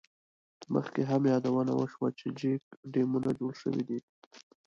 مخکې هم یادونه وشوه، چې چیک ډیمونه جوړ شوي دي.